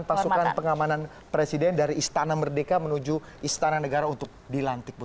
pasukan pengamanan presiden dari istana merdeka menuju istana negara untuk dilantik bu